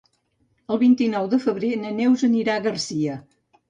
El vint-i-nou de febrer na Neus anirà a Garcia.